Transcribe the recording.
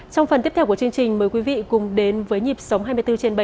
trong phần tiếp theo của chương trình mời quý vị cùng đến với nhịp sống hai mươi bốn trên bảy